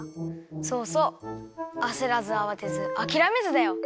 そうそうあせらずあわてずあきらめずだよ。